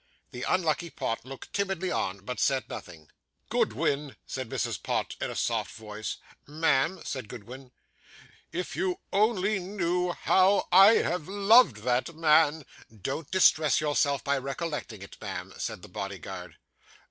The unlucky Pott looked timidly on, but said nothing. 'Goodwin,' said Mrs. Pott, in a soft voice. 'Ma'am,' said Goodwin. 'If you only knew how I have loved that man ' Don't distress yourself by recollecting it, ma'am,' said the bodyguard.